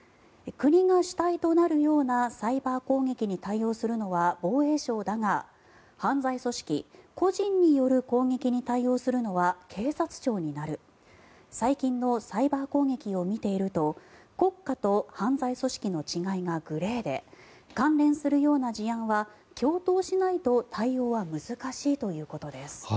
国が主体となるようなサイバー攻撃に対応するのは防衛省だが犯罪組織個人による攻撃に対応するのは警察庁になる最近のサイバー攻撃を見ていると国家と犯罪組織の違いがグレーで関連するような事案は共闘しないと対応は難しいということです。